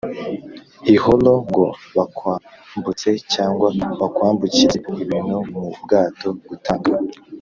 ihooro ngo bakwambutse cyangwa bakwambukirize ibintu mu bwato gutanga